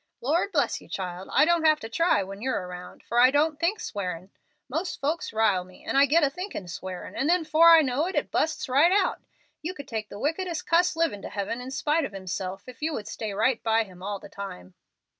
"Lord bless you, child; I don't have to try when you're around, for I don't think swearin'. Most folks rile me, and I get a thinkin' swearin', and then 'fore I know it busts right out. You could take the wickedest cuss livin' to heaven in spite of himself if you would stay right by him all the time."